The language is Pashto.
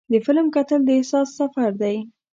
د فلم کتل د احساس سفر دی.